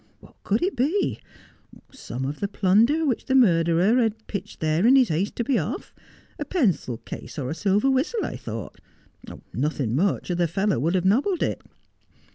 What could it be ? Some of the plunder which the murderer had pitched there in his haste to be off. A pencil case or a silver whistle, I thought : nothing much, or the fellow would have nobbled it.